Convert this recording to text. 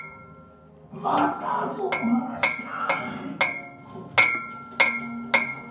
またその話か。